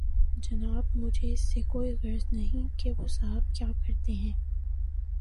جناب مجھے اس سے کوئی غرض نہیں کہ وہ صاحب کیا کرتے ہیں۔